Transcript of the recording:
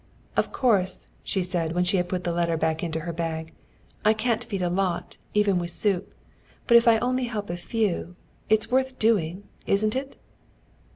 "Of course," she said when she had put the letter back into her bag, "I can't feed a lot, even with soup. But if I only help a few, it's worth doing, isn't it?"